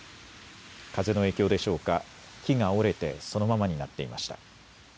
風の影響でしょうか、木が折れてそのままになっていました。